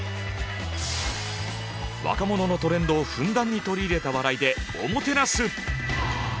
若者のトレンドをふんだんに取り入れた笑いでおもてなす！